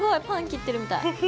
パン切ってるみたい。